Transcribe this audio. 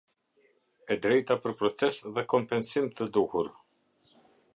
E drejta për proces dhe kompensim të duhur.